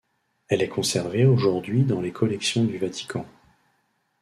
Elle est conservée aujourd'hui dans les collections du Vatican.